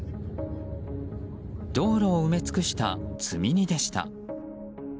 道路を埋め尽くした積み荷でした。